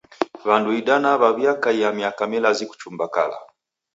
W'andu idanaa w'aw'iakaia miaka milazi kuchumba kala.